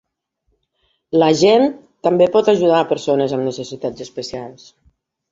L'agent també pot ajudar persones amb necessitat especials.